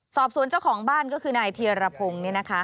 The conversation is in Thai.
สอบสวนเจ้าของบ้านก็คือนายเทียรพงศ์เนี่ยนะคะ